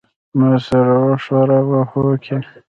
ما سر وښوراوه هوکې.